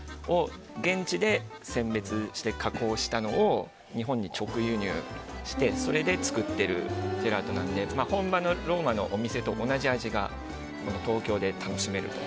現地で選別して加工したのを日本に直輸入して作っているジェラートなので本場のローマのお店と同じ味が東京で楽しめると。